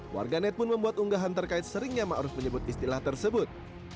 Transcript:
warganet pun membuat unggahan terkait seringnya ma'ruf menyebut istilah tersebut